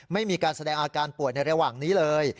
ไม่มีการแสดงอาการป่วยในระหว่างนี้เลย